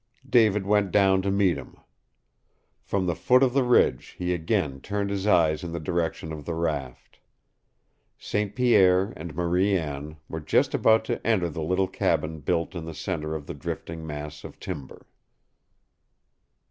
David went down to meet him. From the foot of the ridge he again turned his eyes in the direction of the raft. St. Pierre and Marie Anne were just about to enter the little cabin built in the center of the drifting mass of timber.